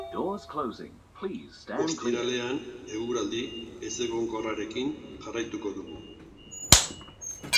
Ostiralean eguraldi ezegonkorrarekin jarraituko dugu.